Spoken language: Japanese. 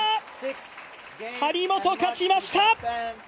張本、勝ちました。